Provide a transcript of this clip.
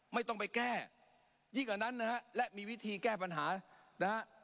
ไม่ต้องไปแก้ยิ่งกว่านั้นนะฮะและมีวิธีแก้ปัญหานะฮะ